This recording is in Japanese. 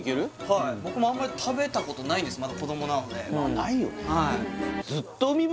はい僕もあんまり食べたことないんですまだ子供なのではいないよね